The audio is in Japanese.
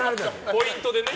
ポイントでね。